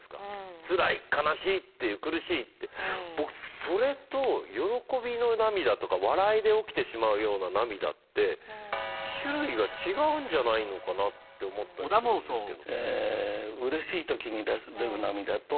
僕それと喜びの涙とか笑いで起きてしまうような涙って種類が違うんじゃないのかなって思ったりするんですけど。